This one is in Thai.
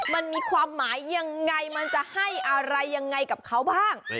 มันมีความหมายยังไงมันจะให้อะไรยังไงกับเขาบ้าง